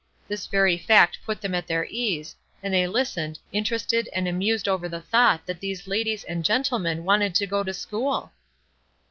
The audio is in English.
This very fact put them at their ease, and they listened, interested and amused over the thought that these ladies and gentlemen wanted to go to school!